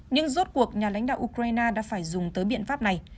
những rốt cuộc nhà lãnh đạo ukraine đã phải dùng tới biện pháp này